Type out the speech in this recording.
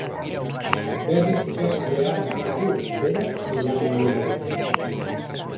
Berriz ikasi behar izan du, beraz, pedalei eragiten.